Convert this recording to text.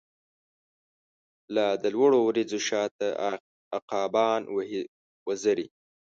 لا د لوړو وریځو شا ته، عقابان وهی وزری